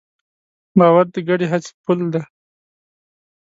باور د ګډې هڅې پُل دی.